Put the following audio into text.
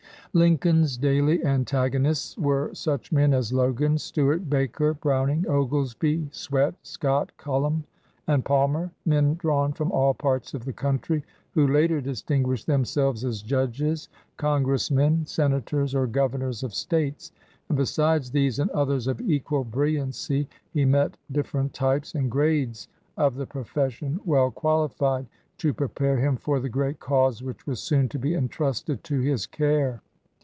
Lincoln's daily antagonists were such men as Logan, Stuart, Baker, Browning, Oglesby, Swett, Scott, Cullom, and Palmer — men, drawn from all parts of the country, who later distin guished themselves as judges, congressmen, senators, or governors of States; and besides these and others of equal brilliancy, he met dif ferent types and grades of the profession well qualified to prepare him for the great cause which was soon to be entrusted to his care.